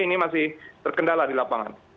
ini masih terkendala di lapangan